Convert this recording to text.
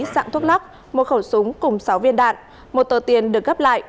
dạng thuốc lắc một khẩu súng cùng sáu viên đạn một tờ tiền được gấp lại